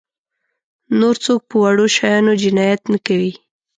نور څوک په وړو شیانو جنایت نه کوي.